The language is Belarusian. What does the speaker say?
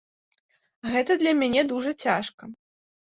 Гэта для мяне дужа цяжка.